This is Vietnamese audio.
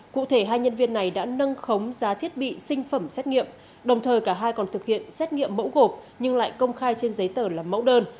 cụ thể hai nhân viên này đã nâng khống giá thiết bị sinh phẩm xét nghiệm đồng thời cả hai còn thực hiện xét nghiệm mẫu gộp nhưng lại công khai trên giấy tờ là mẫu đơn